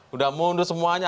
sudah mundur semuanya